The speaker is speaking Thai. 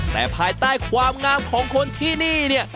แต่ภายใต้ความงามของคนที่นี่เนี่ย